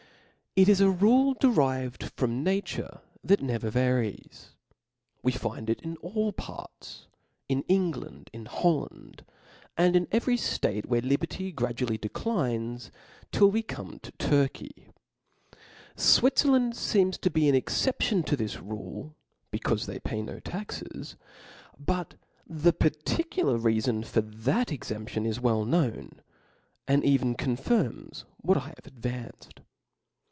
It is ^ rule derived from nature that never varies. We find it in all parts, in England, in Holland, an4' in every ftate where liberty gradually declines, till '•Wc come to Turky, Swiflerland feems to be aa *J|xccption to this rule, becaufe they pay no taxes ;^ if^^t the particular reafon for that exemption is well koown, and even confirms what I have advanced.